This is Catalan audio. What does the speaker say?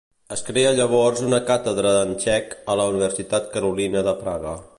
Es crea llavors una càtedra en txec a la Universitat Carolina de Praga.